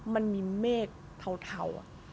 มันมีเมฆเทา